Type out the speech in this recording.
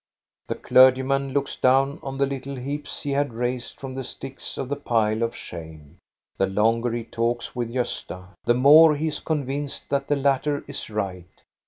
The clergyman looks down on the little heaps he had raised from the sticks of the pile of shame. The longer he talks with Gosta, the more he is convinced that the latter is right.